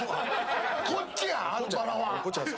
こっちや、アスパラは！